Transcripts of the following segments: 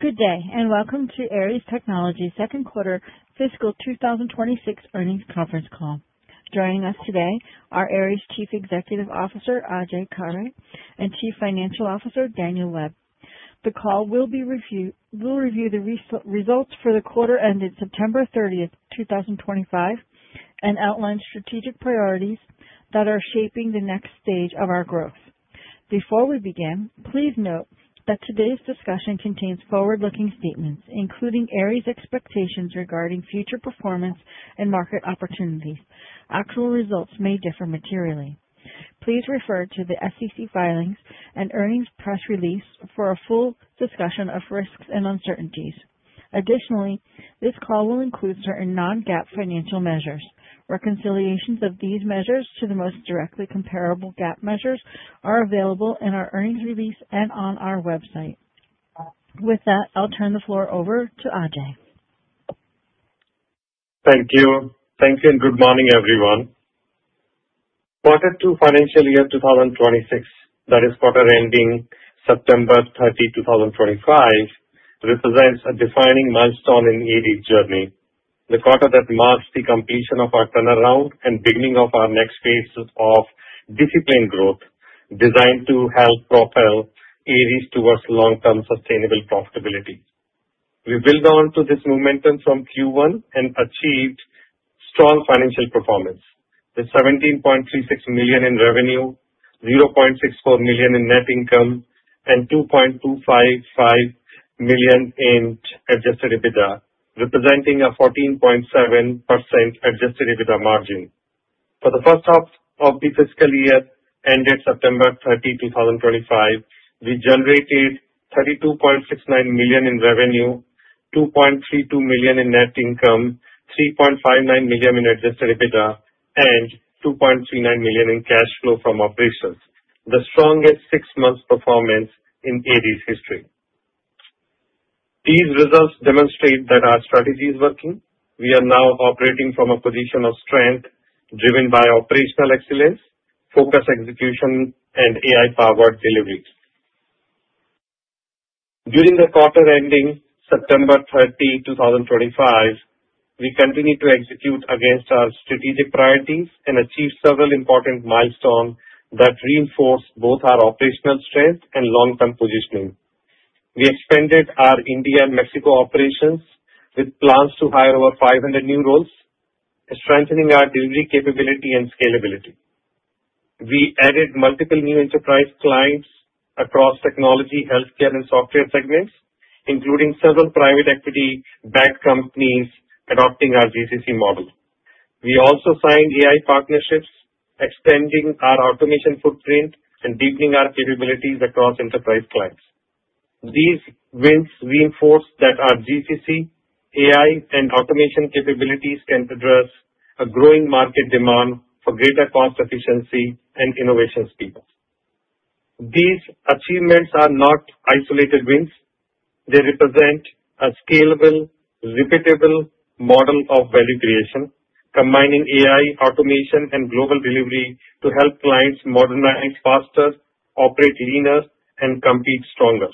Good day, and welcome to Aeries Technology's Second Quarter Fiscal 2026 Earnings Conference Call. Joining us today are Aeries Chief Executive Officer Ajay Khare, and Chief Financial Officer Daniel Webb. The call will review the results for the quarter ended September 30, 2025, and outline strategic priorities that are shaping the next stage of our growth. Before we begin, please note that today's discussion contains forward-looking statements, including Aeries' expectations regarding future performance and market opportunities. Actual results may differ materially. Please refer to the SEC filings and earnings press release for a full discussion of risks and uncertainties. Additionally, this call will include certain non-GAAP financial measures. Reconciliations of these measures to the most directly comparable GAAP measures are available in our earnings release and on our website. With that, I'll turn the floor over to Ajay. Thank you. Thank you, and good morning, everyone. Quarter two financial year 2026, that is quarter ending September 30, 2025, represents a defining milestone in Aeries' journey. The quarter that marks the completion of our turnaround and beginning of our next phase of disciplined growth, designed to help propel Aeries towards long-term sustainable profitability. We build on to this momentum from Q1 and achieved strong financial performance. The $17.36 million in revenue, $0.64 million in net income, and $2.55 million in adjusted EBITDA, representing a 14.7% Adjusted EBITDA margin. For the first half of the fiscal year ended September 30, 2025, we generated $32.69 million in revenue, $2.32 million in net income, $3.59 million in adjusted EBITDA, and $2.39 million in cash flow from operations. The strongest six-month performance in Aeries' history. These results demonstrate that our strategy is working. We are now operating from a position of strength driven by operational excellence, focused execution, and AI-powered delivery. During the quarter ending September 30, 2025, we continued to execute against our strategic priorities and achieved several important milestones that reinforced both our operational strength and long-term positioning. We expanded our India and Mexico operations with plans to hire over 500 new roles, strengthening our delivery capability and scalability. We added multiple new enterprise clients across technology, healthcare, and software segments, including several private equity-backed companies adopting our GCC model. We also signed AI partnerships, extending our automation footprint and deepening our capabilities across enterprise clients. These wins reinforce that our GCC, AI, and automation capabilities can address a growing market demand for greater cost efficiency and innovation speed. These achievements are not isolated wins. They represent a scalable, repeatable model of value creation, combining AI, automation, and global delivery to help clients modernize faster, operate leaner, and compete stronger.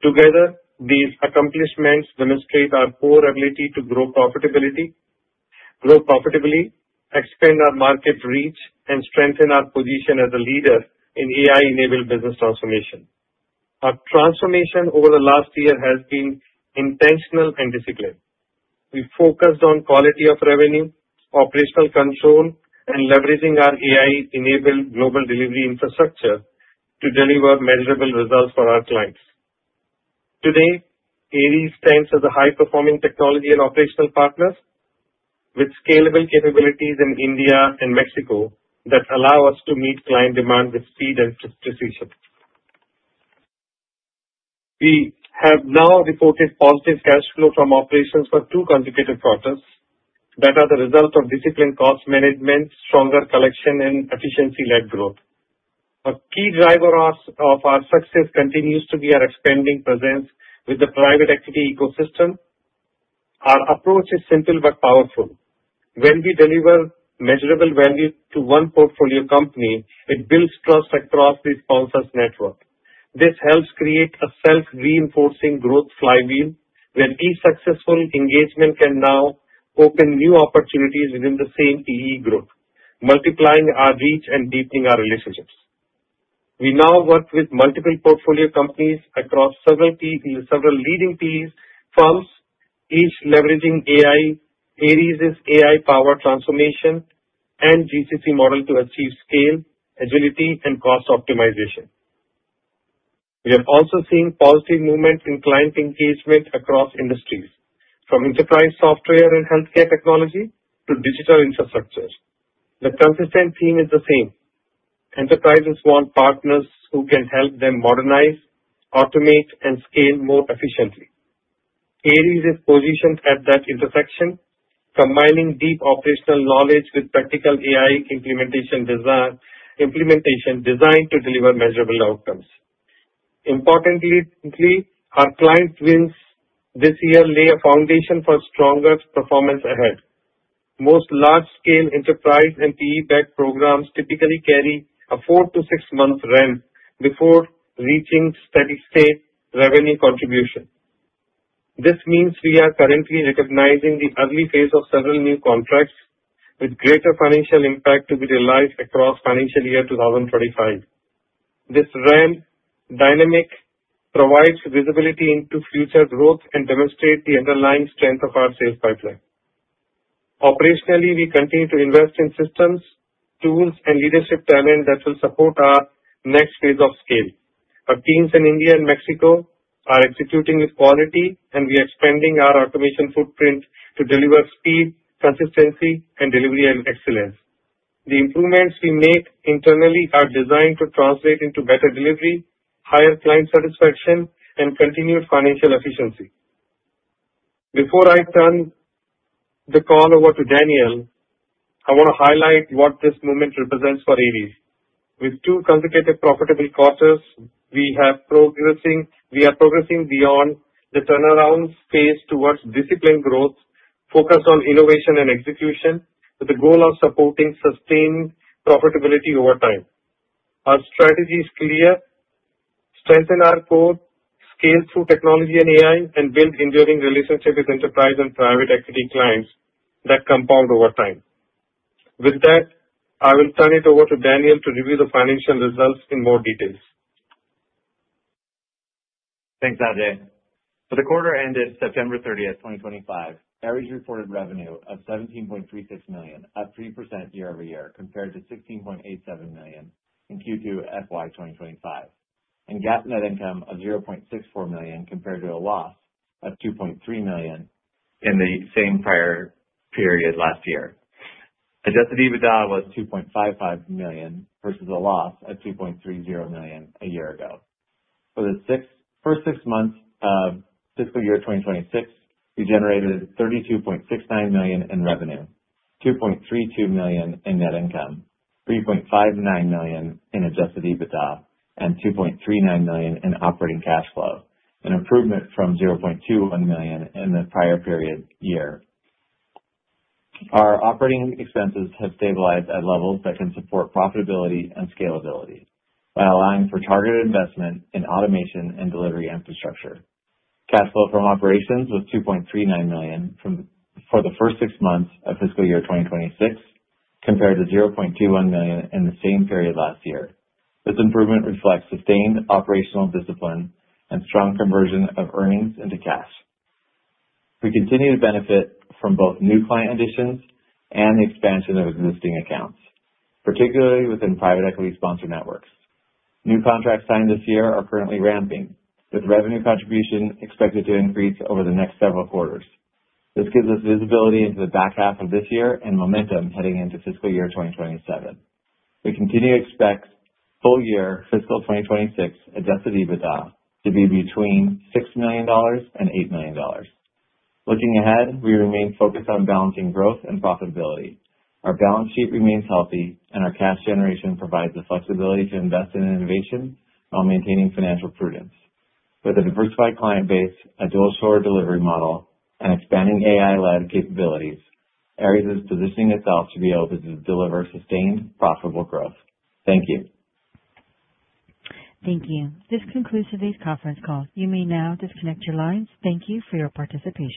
Together, these accomplishments demonstrate our core ability to grow profitability, grow profitably, expand our market reach, and strengthen our position as a leader in AI-enabled business transformation. Our transformation over the last year has been intentional and disciplined. We focused on quality of revenue, operational control, and leveraging our AI-enabled global delivery infrastructure to deliver measurable results for our clients. Today, Aeries stands as a high-performing technology and operational partner with scalable capabilities in India and Mexico that allow us to meet client demand with speed and precision. We have now reported positive cash flow from operations for two consecutive quarters that are the result of disciplined cost management, stronger collection, and efficiency-led growth. A key driver of our success continues to be our expanding presence with the private equity ecosystem. Our approach is simple but powerful. When we deliver measurable value to one portfolio company, it builds trust across the sponsor's network. This helps create a self-reinforcing growth flywheel where each successful engagement can now open new opportunities within the same PE group, multiplying our reach and deepening our relationships. We now work with multiple portfolio companies across several leading PE firms, each leveraging AI, Aeries' AI-powered transformation, and GCC model to achieve scale, agility, and cost optimization. We are also seeing positive movements in client engagement across industries, from enterprise software and healthcare technology to digital infrastructure. The consistent theme is the same. Enterprises want partners who can help them modernize, automate, and scale more efficiently. Aeries is positioned at that intersection, combining deep operational knowledge with practical AI implementation design to deliver measurable outcomes. Importantly, our client wins this year lay a foundation for stronger performance ahead. Most large-scale enterprise and PE-backed programs typically carry a four- to six-month run before reaching steady-state revenue contribution. This means we are currently recognizing the early phase of several new contracts with greater financial impact to be realized across financial year 2025. This run dynamic provides visibility into future growth and demonstrates the underlying strength of our sales pipeline. Operationally, we continue to invest in systems, tools, and leadership talent that will support our next phase of scale. Our teams in India and Mexico are executing with quality, and we are expanding our automation footprint to deliver speed, consistency, and delivery excellence. The improvements we make internally are designed to translate into better delivery, higher client satisfaction, and continued financial efficiency. Before I turn the call over to Daniel, I want to highlight what this moment represents for Aeries. With two consecutive profitable quarters, we are progressing beyond the turnaround phase towards disciplined growth, focused on innovation and execution, with the goal of supporting sustained profitability over time. Our strategy is clear: strengthen our core, scale through technology and AI, and build enduring relationships with enterprise and private equity clients that compound over time. With that, I will turn it over to Daniel to review the financial results in more detail. Thanks, Ajay. For the quarter ended September 30, 2025, Aeries reported revenue of $17.36 million, up 3% year-over-year, compared to $16.87 million in Q2 FY 2025, and GAAP net income of $0.64 million compared to a loss of $2.3 million in the same prior period last year. Adjusted EBITDA was $2.55 million versus a loss of $2.30 million a year ago. For the first six months of fiscal year 2026, we generated $32.69 million in revenue, $2.32 million in net income, $3.59 million in adjusted EBITDA, and $2.39 million in operating cash flow, an improvement from $0.21 million in the prior period year. Our operating expenses have stabilized at levels that can support profitability and scalability by allowing for targeted investment in automation and delivery infrastructure. Cash flow from operations was $2.39 million for the first six months of fiscal year 2026, compared to $0.21 million in the same period last year. This improvement reflects sustained operational discipline and strong conversion of earnings into cash. We continue to benefit from both new client additions and the expansion of existing accounts, particularly within private equity-sponsored networks. New contracts signed this year are currently ramping, with revenue contribution expected to increase over the next several quarters. This gives us visibility into the back half of this year and momentum heading into fiscal year 2027. We continue to expect full year fiscal 2026 Adjusted EBITDA to be between $6 million and $8 million. Looking ahead, we remain focused on balancing growth and profitability. Our balance sheet remains healthy, and our cash generation provides the flexibility to invest in innovation while maintaining financial prudence. With a diversified client base, a dual-shored delivery model, and expanding AI-led capabilities, Aeries is positioning itself to be able to deliver sustained, profitable growth. Thank you. Thank you. This concludes today's conference call. You may now disconnect your lines. Thank you for your participation.